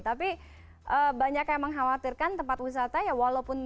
tapi banyak yang mengkhawatirkan tempat wisata ya walaupun